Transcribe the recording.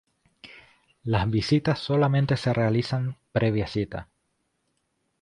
Las visitas solamente se realizan previa cita.